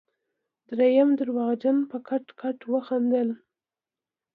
دريم درواغجن په کټ کټ وخندل.